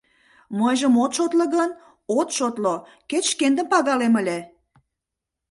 Мыйжым от шотло гын, от шотло, кеч шкендым пагалем ыле.